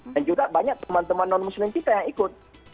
dan juga banyak teman teman non muslim kita yang ikut